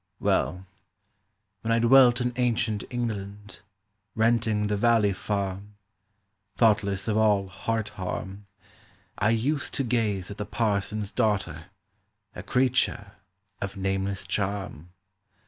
"Well, when I dwelt in ancient England, Renting the valley farm, Thoughtless of all heart harm, I used to gaze at the parson's daughter, A creature of nameless charm.